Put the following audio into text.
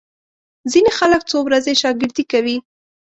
ځینې خلک څو ورځې شاګردي کوي.